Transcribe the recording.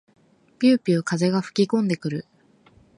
ぴゅうぴゅう風が吹きこんでくる。